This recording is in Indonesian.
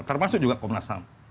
termasuk juga komnas ham